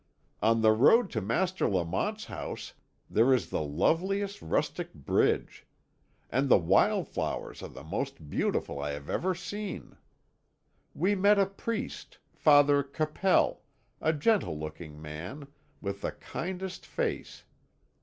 On the road to Master Lamont's house there is the loveliest rustic bridge. And the wild flowers are the most beautiful I have ever seen. We met a priest, Father Capel, a gentle looking man, with the kindest face!